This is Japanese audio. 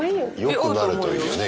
よくなるといいよね。